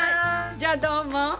じゃあどうも。